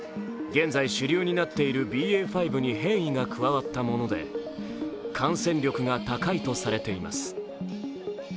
現在、主流になっているＢＡ．５に変異が加わったもので感染力が高いとされています。